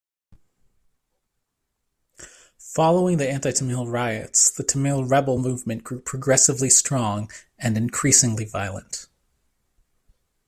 Following the anti-Tamil riots, the Tamil rebel movement grew progressively strong and increasingly violent.